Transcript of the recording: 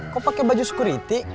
kok pakai baju security